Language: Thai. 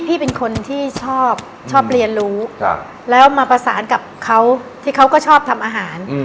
พี่เป็นคนที่ชอบชอบเรียนรู้แล้วมาประสานกับเขาที่เขาก็ชอบทำอาหาร